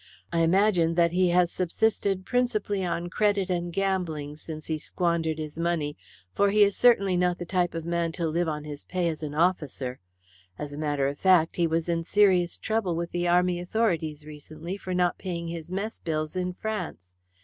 I imagine that he has subsisted principally on credit and gambling since he squandered his money, for he is certainly not the type of man to live on his pay as an officer. As a matter of fact, he was in serious trouble with the Army authorities recently for not paying his mess bills in France.